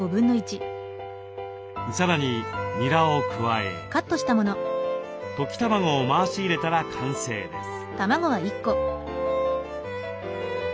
さらににらを加え溶き卵を回し入れたら完成です。